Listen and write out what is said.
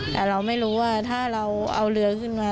แต่เราไม่รู้ว่าถ้าเราเอาเรือขึ้นมา